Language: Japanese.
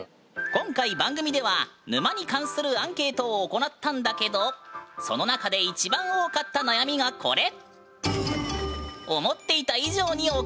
今回番組では沼に関するアンケートを行ったんだけどその中で一番多かった悩みがこれ！